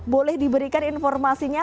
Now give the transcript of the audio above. boleh diberikan informasinya